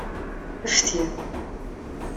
Fti.